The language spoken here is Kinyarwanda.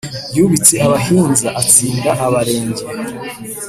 Yubitse abahinza atsinda Abarenge